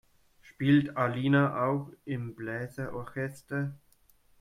Spielt Alina auch im Bläser-Orchester?